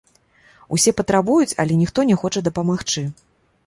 Усе патрабуюць, але ніхто не хоча дапамагчы.